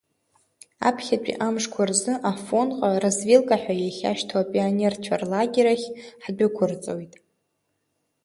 Аԥхьатәи амшқәа рзы Афонҟа развилка ҳәа иахьашьҭоу апионерцәа рлагер ахь ҳдәықәырҵоит.